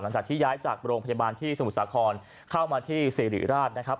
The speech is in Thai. หลังจากที่ย้ายจากโรงพยาบาลที่สมุทรสาครเข้ามาที่สิริราชนะครับ